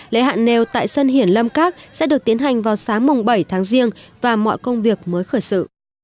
lễ hạn nêu tại sân hiển lâm các sẽ được tiến hành vào sáng bảy tháng riêng và mọi công việc mới khởi sự